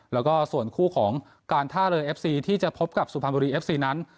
แล้วก็ส่วนคู่ของการท่าเรือเอฟซีที่จะพบกับสุพรรณบุรีเอฟซีนั้น